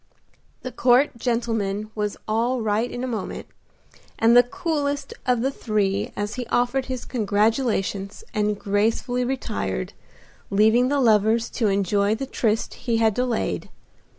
The court gentleman was all right in a moment, and the coolest of the three as he offered his congratulations and gracefully retired, leaving the lovers to enjoy the tryst he had delayed.